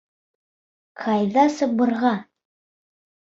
Ҡайҙа сабырға?